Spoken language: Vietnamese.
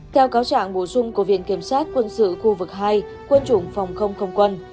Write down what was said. theo cáo trạng bổ sung của viện kiểm sát quân sự khu vực hai quân chủng phòng không không quân